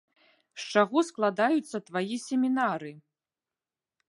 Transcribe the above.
З чаго складаюцца твае семінары?